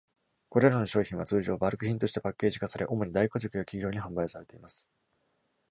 これらの商品は、通常、バルク品としてパッケージ化され、主に大家族や企業に販売されています。